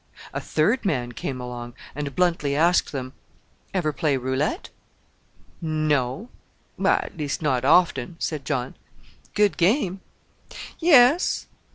A third man came along, and bluntly asked them, "Ever play roulette?" "No; at least not often," said John. "Good game." "Yes."